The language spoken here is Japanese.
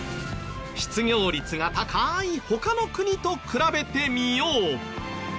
失業率が高い他の国と比べてみよう。